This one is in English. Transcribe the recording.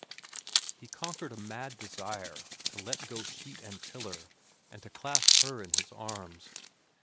He conquered a mad desire to let go sheet and tiller and to clasp her in his arms.